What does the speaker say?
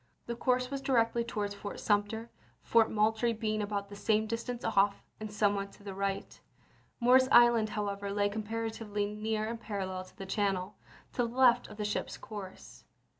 The course was directly towards Fort Sumter, Fort Moultrie being about the same dis tance off and somewhat to the right. Morris Island, however, lay comparatively near and parallel to the channel, to the left of the ship's course.